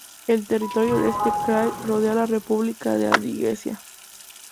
El territorio de este krai, rodea la República de Adiguesia.